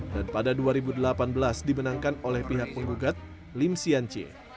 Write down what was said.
dan pada dua ribu delapan belas dimenangkan oleh pihak penggugat lim sianci